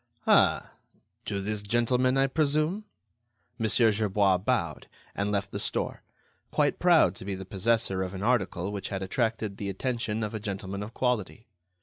"Ah! to this gentleman, I presume?" Monsieur Gerbois bowed, and left the store, quite proud to be the possessor of an article which had attracted the attention of a gentleman of quality.